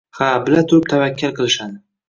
Ha, bilaturib, tavakkal qilishadi